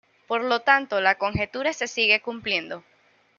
Por lo tanto la conjetura se sigue cumpliendo.